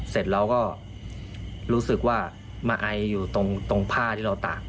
เสร็จเราก็รู้สึกว่ามาไออยู่ตรงผ้าที่เราตาก